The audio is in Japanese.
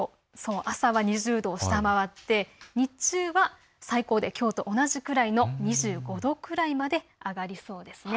朝は２０度を下回って日中は最高できょうと同じくらいの２５度くらいまで上がりそうです。